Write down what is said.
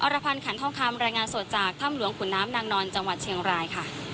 รพันธ์ขันทองคำรายงานสดจากถ้ำหลวงขุนน้ำนางนอนจังหวัดเชียงรายค่ะ